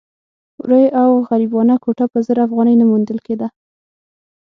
ورې او غریبانه کوټه په زر افغانۍ نه موندل کېده.